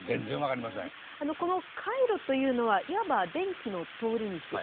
この回路というのはいわば電気の通り道。